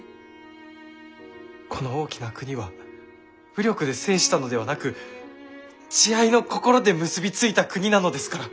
この大きな国は武力で制したのではなく慈愛の心で結び付いた国なのですから。